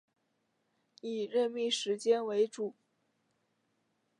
以任命时间为主